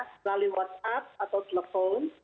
melalui whatsapp atau telepon